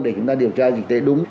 để chúng ta điều tra dịch tế đúng